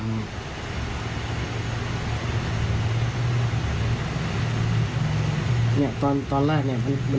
นั่นขยับด้วย